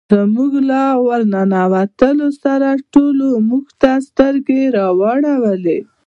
زموږ له ور ننوتلو سره ټولو موږ ته سترګې را واړولې.